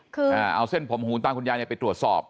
คือเอาเส้นผมหูตาคุณยายไปตรวจสอบ